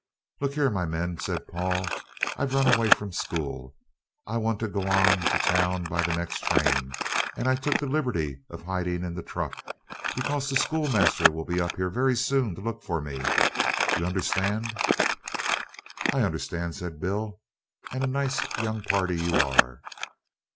"Look here, my men," said Paul, "I've run away from school, I want to go on to town by the next train, and I took the liberty of hiding in the truck, because the schoolmaster will be up here very soon to look for me you understand?" "I understand," said Bill, "and a nice young party you are."